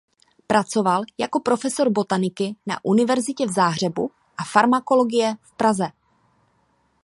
Pracoval jako profesor botaniky na univerzitě v Záhřebu a farmakologie v Praze.